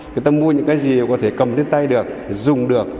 người ta mua những cái gì có thể cầm trên tay được dùng được